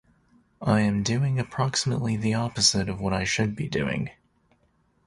I am doing approximately the opposite of what I should be doing.